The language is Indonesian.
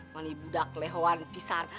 mani budak lehoan pisan